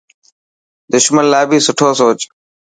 دشمن لاءِ بهي سٺو سوچ.